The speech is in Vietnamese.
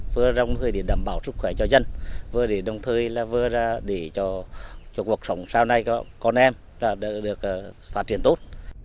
vừa đồng thời để đảm bảo sức khỏe cho dân vừa đồng thời là vừa để cho cuộc sống sau này của con em được phát triển tốt